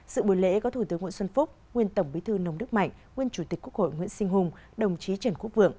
sự buổi lễ có thủ tướng nguyễn xuân phúc nguyên tổng bí thư nông đức mạnh nguyên chủ tịch quốc hội nguyễn sinh hùng đồng chí trần quốc vượng